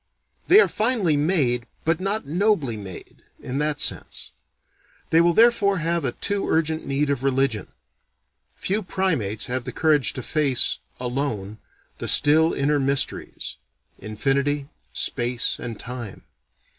They are finely made, but not nobly made, in that sense. They will therefore have a too urgent need of religion. Few primates have the courage to face alone the still inner mysteries: Infinity, Space and Time.